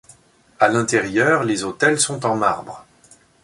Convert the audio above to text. À l'intérieur, les autels sont en marbre.